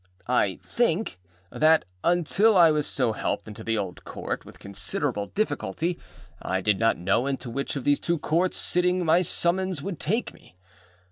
I think that, until I was so helped into the Old Court with considerable difficulty, I did not know into which of the two Courts sitting my summons would take me.